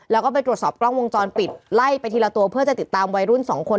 แล้วก็ไปตรวจสอบกล้องวงจรปิดไล่ไปทีละตัวเพื่อจะติดตามวัยรุ่นสองคน